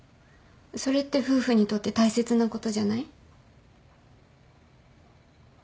それって夫婦にとって大切なことじゃない？